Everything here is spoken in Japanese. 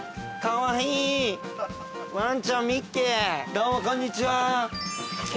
どうもこんにちは。